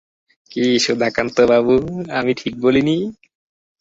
কি সুধাকান্তবাবু, আমি ঠিক বলি নি?